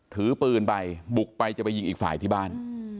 ถือปืนไปบุกไปจะไปยิงอีกฝ่ายที่บ้าน